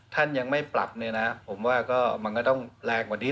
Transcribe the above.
ท่านยังไม่ปรับเนี่ยนะผมว่าก็มันก็ต้องแรงกว่านี้